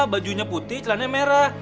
bajunya putih celananya merah